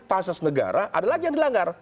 asas negara ada lagi yang dilanggar